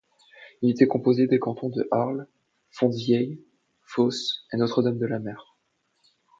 Il était composé des cantons de Arles, Fontvieille, Fos et Notre Dame-de-la-Mer.